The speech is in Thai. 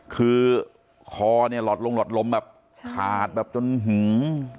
คือคอเนี่ยหลอดลงหลอดลมแบบขาดแบบจนหือ